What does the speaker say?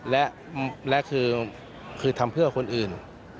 และคือทำเพื่อคนอื่น